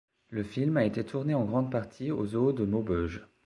Le film a été tourné en grande partie au Zoo de Maubeuge.